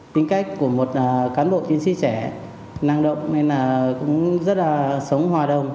tính cách của một cán bộ chiến sĩ trẻ năng động nên là cũng rất là sống hòa đồng